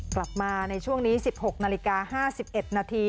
กลับมาในช่วงนี้สิบหกนาฬิกาห้าสิบเอ็ดนาที